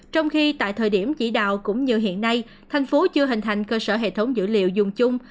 trong khi tại thời điểm chỉ đạo cũng như hiện nay thành phố chưa hình thành cơ sở hệ thống dữ liệu dùng chung